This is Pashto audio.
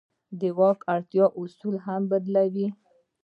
د واک اړتیا اصول هم بدلوي.